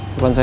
di depan saya